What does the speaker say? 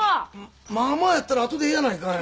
まあまあやったら後でええやないかい。